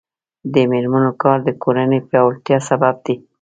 د میرمنو کار د کورنۍ پیاوړتیا سبب دی.